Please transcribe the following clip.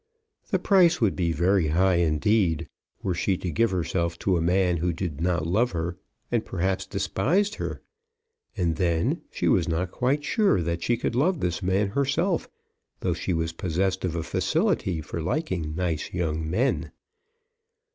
The price would be very high indeed were she to give herself to a man who did not love her, and perhaps despised her. And then she was not quite sure that she could love this man herself, though she was possessed of a facility for liking nice young men.